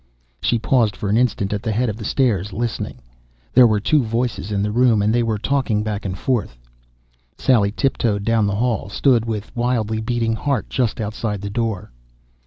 She paused for an instant at the head of the stairs, listening. There were two voices in the room, and they were talking back and forth. Sally tiptoed down the hall, stood with wildly beating heart just outside the door.